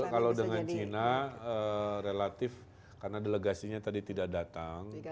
kalau dengan cina relatif karena delegasinya tadi tidak datang